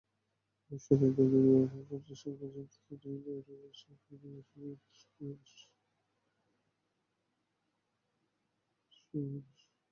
ভবিষ্যতে ইন্টারনেট ব্যবহার বাড়ার সঙ্গে সঙ্গে মানুষ আরও বেশি অনলাইনমুখী হবে।